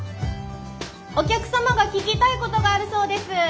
お客様が聞きたいことがあるそうです。